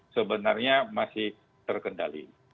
sebenarnya masih terkendali